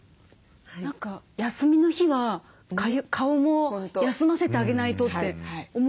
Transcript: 何か休みの日は顔も休ませてあげないとって思うんですけど違うんですね。